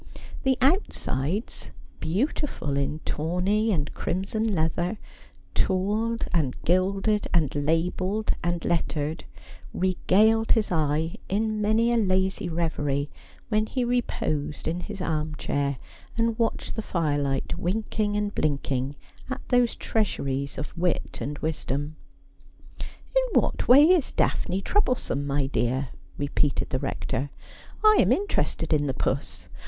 The outsides, beautiful in tawny and crimson leather, tooled and gilded and labelled and lettered, regaled his eye in many a lazy reverie, when he reposed in his arm chair, and watched the firelight winking and blinking at those treasuries of wit and wisdom. ' In what way is Daphne troublesome, my dear ?' repeated the Rector. ' I am interested in the puss.